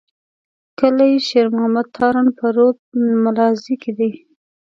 کلي شېر محمد تارڼ په رود ملازۍ کي دی.